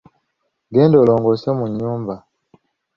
Genda olongoose mu nnyumba.